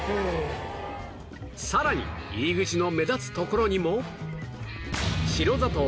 さらに入り口の目立つところにも